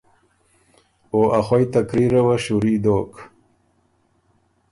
او ا خوئ تقریره وه شُوري دوک۔